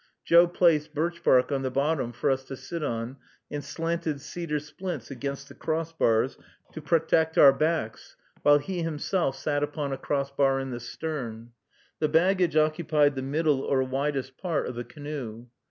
Joe placed birch bark on the bottom for us to sit on, and slanted cedar splints against the cross bars to protect our backs, while he himself sat upon a cross bar in the stern. The baggage occupied the middle or widest part of the canoe.